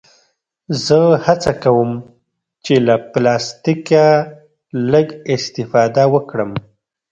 زه هڅه کوم چې له پلاستيکه لږ استفاده وکړم.